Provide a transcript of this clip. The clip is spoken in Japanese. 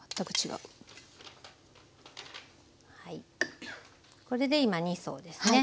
はいこれで今２層ですね。